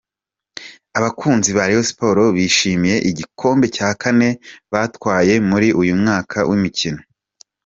Abakunzi ba Rayon Sport bishimiye igikombe cya kane batwaye muri uyu mwaka w’imikino.